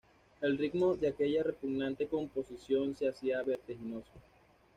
El ritmo de aquella repugnante composición se hacía vertiginoso.